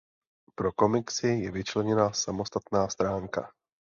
Pro komiksy je vyčleněna samostatná stránka.